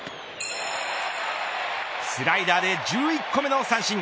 スライダーで１１個目の三振。